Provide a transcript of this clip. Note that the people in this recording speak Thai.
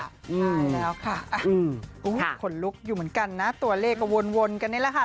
ใช่แล้วค่ะขนลุกอยู่เหมือนกันนะตัวเลขก็วนกันนี่แหละค่ะ